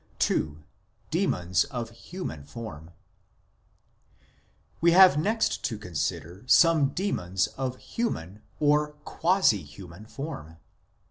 II. DEMONS OF HUMAN FORM We have next to consider some demons of human, or quasi human, form.